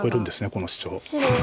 このシチョウ。